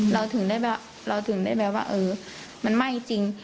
เราถึงได้แบบว่ามันไหม้จริง